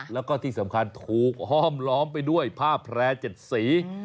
แล้วก็ที่สำคัญถูกห้อมล้อมไปด้วยผ้าแพร่๗สี